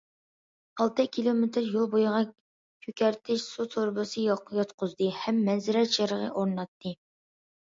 ئالتە كىلومېتىر يول بويىغا كۆكەرتىش سۇ تۇرۇبىسى ياتقۇزدى ھەم مەنزىرە چىرىغى ئورناتتى.